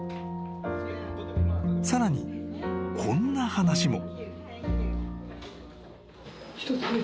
［さらにこんな話も］